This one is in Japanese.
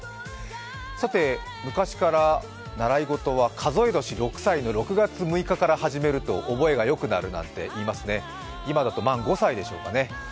さて昔から習い事は数え年６歳の６月６日から始めると覚えが良くなるっていわれてますが今だと満５歳でしょうかね。